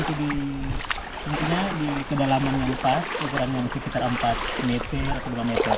itu nanti di kedalaman yang lepas ukuran yang masih sekitar empat meter atau dua meter